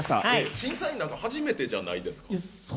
審査員なんか初めてなんじゃないですか？